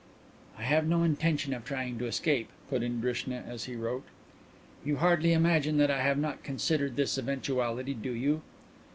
"I have no intention of trying to escape," put in Drishna, as he wrote. "You hardly imagine that I have not considered this eventuality, do you?"